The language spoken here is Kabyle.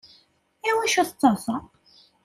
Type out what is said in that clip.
Iwacu tettaḍsaḍ?